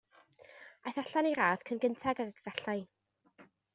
Aeth allan i'r ardd cyn gynted ag y gallai.